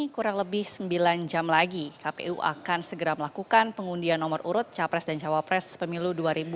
kurang lebih sembilan jam lagi kpu akan segera melakukan pengundian nomor urut capres dan cawapres pemilu dua ribu dua puluh